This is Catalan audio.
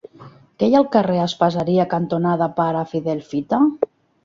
Què hi ha al carrer Espaseria cantonada Pare Fidel Fita?